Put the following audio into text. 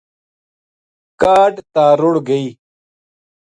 کاہڈ تا رُڑ گئی